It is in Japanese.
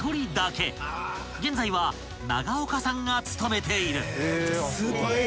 ［現在は永岡さんが務めている］